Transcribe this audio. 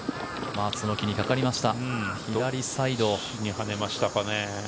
松の木にかかりました。